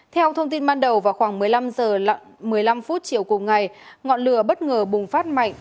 theo thông tin ban đầu vào khoảng một mươi năm h một mươi năm chiều cùng ngày ngọn lửa bất ngờ bùng phát mạnh